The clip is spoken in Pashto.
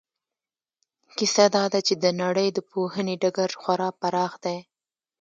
کیسه دا ده چې د نړۍ د پوهنې ډګر خورا پراخ دی.